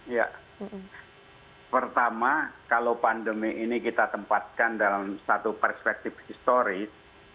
ya pertama kalau pandemi ini kita tempatkan dalam satu perspektif historis